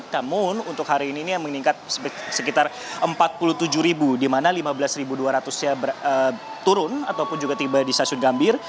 namun untuk hari ini ini yang meningkat sekitar empat puluh tujuh di mana lima belas dua ratus nya turun ataupun juga tiba di stasiun gambir